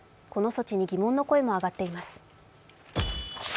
この措置に疑問の声が上がっています。